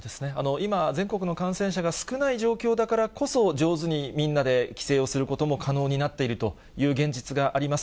今、全国の感染者が少ない状況だからこそ、上手にみんなで帰省をすることも可能になっているという現実があります。